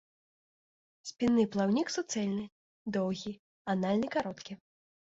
Спінны плаўнік суцэльны, доўгі, анальны кароткі.